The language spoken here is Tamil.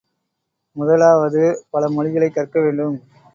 முதலாவது, பல மொழிகளைக் கற்கவேண்டும்.